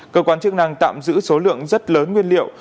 cơ quan chức năng tạm giữ số lượng rất lớn nguyên liệu